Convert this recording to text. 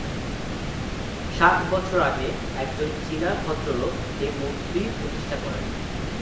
ষাট বছর আগে একজন চীনা ভদ্রলোক এই মূর্তি প্রতিষ্ঠা করেন।